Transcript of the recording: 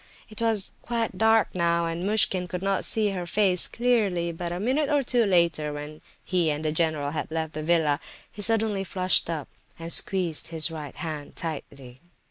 It was quite dark now, and Muishkin could not see her face clearly, but a minute or two later, when he and the general had left the villa, he suddenly flushed up, and squeezed his right hand tightly.